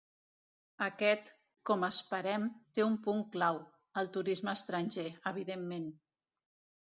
Aquest “com esperem” té un punt clau: el turisme estranger, evidentment.